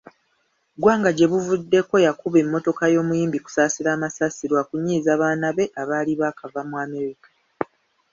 Gwanga gyebuvuddeko yakuba emmotoka y'omuyimbi Kusasira amasasi lwakunyiiza baana be abaali baakava mu America.